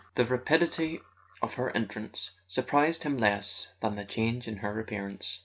The rapidity of her entrance surprised him less than the change in her appearance.